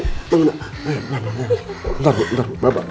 coba bangun ketemu bapak